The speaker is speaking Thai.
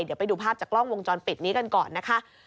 เดี๋ยวไปดูภาพจากกล้องวงจรปิดนี้กันก่อนนะคะ